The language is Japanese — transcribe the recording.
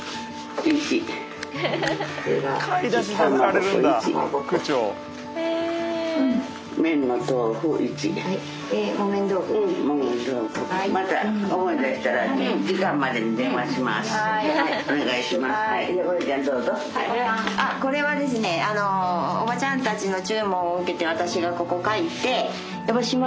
おばちゃんたちの注文を受けて私がここ書いて。